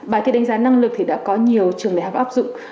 bài thi đánh giá năng lực đã có nhiều trường lệ học áp dụng